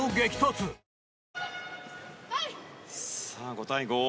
５対５。